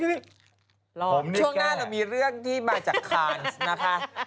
ช่วงหน้าหน่าสองเรามีเรื่องที่มาเจอกันนะคะ